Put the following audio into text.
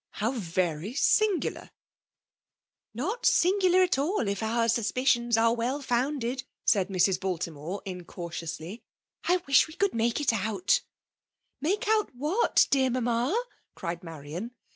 How very singular !"" Not singular at all, if our suspicions are 152 ^EMAIX .DOMINATION. well foun<led/' said Mrs. Baltimore incauti* Qusly. '' I wish we could make it out,'* " Malce out vhat, dear Mamma?'' ciied Marian.